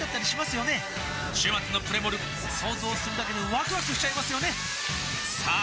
週末のプレモル想像するだけでワクワクしちゃいますよねさあ